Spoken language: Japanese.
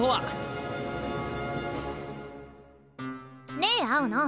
ねえ青野！